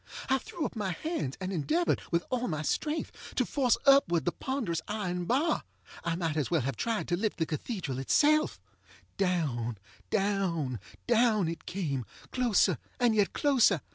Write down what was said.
I threw up my hands and endeavored, with all my strength, to force upward the ponderous iron bar. I might as well have tried to lift the cathedral itself. Down, down, down it came, closer and yet closer.